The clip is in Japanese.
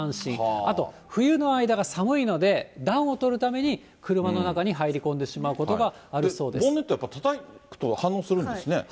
あと冬の間が寒いので、暖をとるために、車の中に入り込んでしまうことがあるそうです。ボンネットはやはりたたくと反応するんですね。